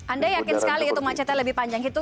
anda yakin sekali itu macetnya lebih panjang itu